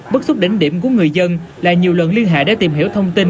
bất xúc đỉnh điểm của người dân là nhiều lần liên hệ để tìm hiểu thông tin